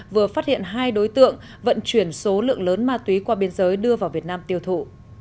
vừa phát hiện hai đối tượng vận chuyển số lượng lớn ma túy qua biên giới đưa vào việt nam tiêu thụ